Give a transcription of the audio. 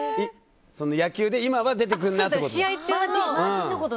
野球で今は出てくるなってこと？